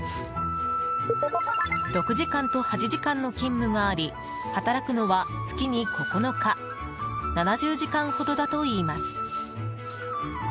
６時間と８時間の勤務があり働くのは月に９日７０時間ほどだといいます。